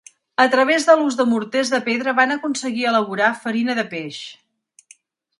A través de l'ús de morters de pedra van aconseguir elaborar farina de peix.